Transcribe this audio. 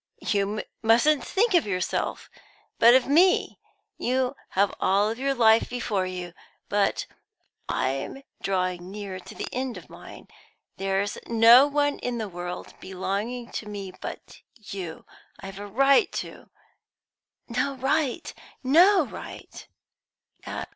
"You mustn't think of yourself, but of me. You have all your life before you, but I'm drawing near to the end of mine. There's no one in the world belonging to me but you. I have a right to " "No right! no right!"